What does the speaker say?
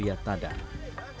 menjadi pilihan para pria tadan